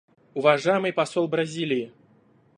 Уважаемый посол Бразилии.